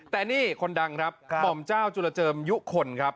แต่นี่คนดังครับหม่อมเจ้าจุลเจิมยุคลครับ